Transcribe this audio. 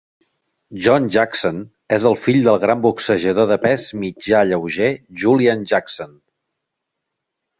John Jackson és el fill del gran boxejador de pes mitjà lleuger Julian Jackson.